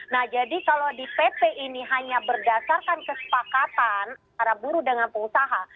nah jadi kalau di pp ini hanya berdasarkan kesepakatan antara buruh dengan pengusaha